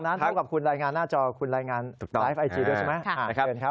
เท่ากับคุณรายงานหน้าจอคุณรายงานไลฟ์ไอจีด้วยใช่ไหม